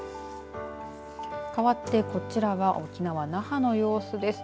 かわってこちらは沖縄、那覇の様子です。